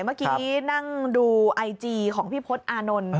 เมื่อกี้นั่งดูไอจีของพี่พศอานนท์